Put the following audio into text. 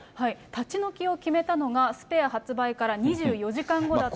立ち退きを決めたのがスペア発売から２４時間後だったと。